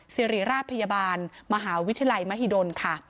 สิริราชพยาบาลมหาวิทยาลัยมหิดลค่ะ